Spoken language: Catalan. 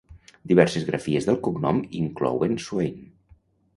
Diverses grafies del cognom inclouen Swain.